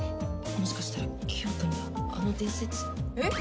もしかしたら京都にあの伝説の。えっ？